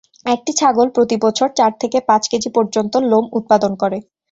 একটি ছাগল প্রতি বছর চার থেকে পাঁচ কেজি পর্যন্ত লোম উৎপাদন করে।